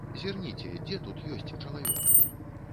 Зірніце, дзе тут ёсць чалавек?